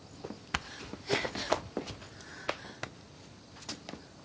えっ。